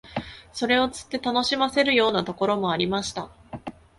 それを釣って楽しませるようなところもありました